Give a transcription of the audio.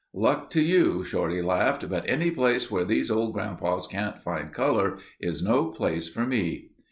"Luck to you," Shorty laughed. "But any place where these old grandpas can't find color, is no place for me."